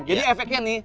jadi efeknya nih